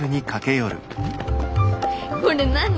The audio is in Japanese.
これ何？